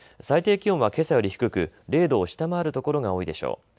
最低気温はけさより低く０度を下回る所が多いでしょう。